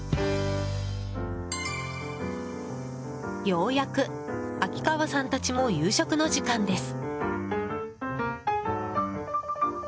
ようやく秋川さんたちも夕食の時間です。